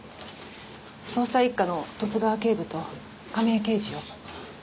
捜査一課の十津川警部と亀井刑事よ。